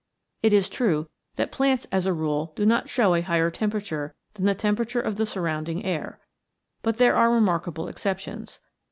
It is true that plants as a rule do not show a higher tempera ture than the temperature of the surrounding air. But there are remarkable exceptions.